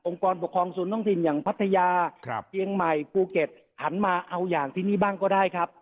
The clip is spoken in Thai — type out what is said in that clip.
กรปกครองศูนย์ท้องถิ่นอย่างพัทยาเชียงใหม่ภูเก็ตหันมาเอาอย่างที่นี่บ้างก็ได้ครับ